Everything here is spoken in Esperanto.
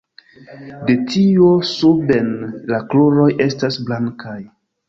De tio suben la kruroj estas blankaj.